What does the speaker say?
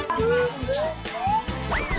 เหยียบแล้วค่ะ